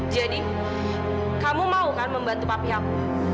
jadi kamu mau kan membantu papi aku